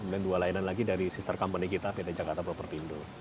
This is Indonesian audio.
dan dua layanan lagi dari sister company kita dt jakarta propertindo